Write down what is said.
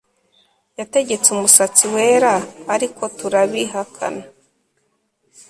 yategetse umusatsi wera ariko turabihakana